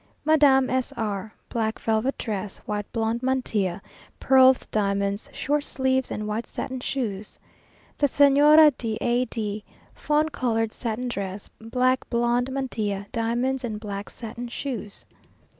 Madame S r. Black velvet dress, white blonde mantilla, pearls, diamonds, short sleeves, and white satin shoes. The Señora de A d. Fawn coloured satin dress, black blonde mantilla, diamonds, and black satin shoes.